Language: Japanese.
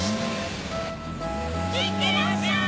いってらっしゃい！